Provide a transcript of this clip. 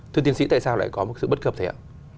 thưa tiến sĩ tại sao lại có một sự bất cập gì ạ